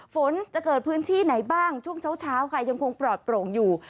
ฝนจะเกิดพื้นที่ไหนบ้างช่วงเช้าค่ะยังคงปลอดโปร่งอยู่